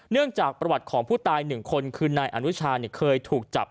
เนื่องจากประวัติของผู้ตายหนึ่งคนคืนนายอนุชาธิ์เคยถูกจับ